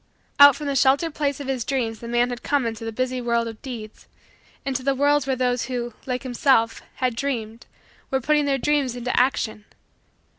Out from the sheltered place of his dreams the man had come into the busy world of deeds into the world where those who, like himself, had dreamed, were putting their dreams into action.